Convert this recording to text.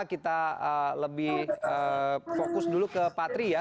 kita lebih fokus dulu ke pak tri ya